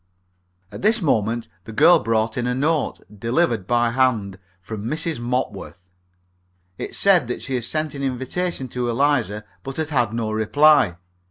At this moment the girl brought in a note, delivered by hand, from Mrs. Mopworth. It said that she had sent an invitation to Eliza but had had no reply.